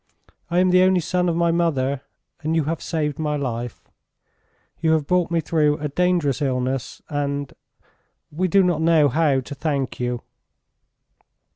... I am the only son of my mother and you have saved my life ... you have brought me through a dangerous illness and ... we do not know how to thank you."